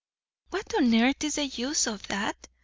"What on earth is the use of that?"